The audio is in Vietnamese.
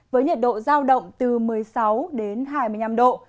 với nhiệt độ giao động từ một mươi sáu đến hai mươi năm độ